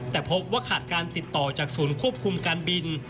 แต่พบว่าขาดการติดต่อจากศูนย์ควบคุมการบิน